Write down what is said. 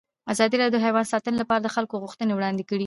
ازادي راډیو د حیوان ساتنه لپاره د خلکو غوښتنې وړاندې کړي.